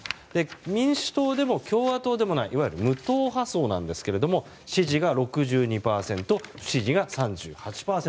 民主党でも共和党でもないいわゆる無党派層ですが支持が６２％、不支持が３８％。